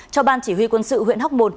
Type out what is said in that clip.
cho ban chỉ huy quân sự huyện hóc môn